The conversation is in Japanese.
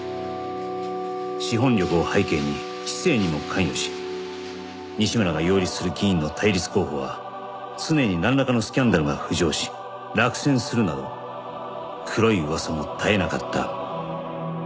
資本力を背景に市政にも関与し西村が擁立する議員の対立候補は常になんらかのスキャンダルが浮上し落選するなど黒い噂も絶えなかった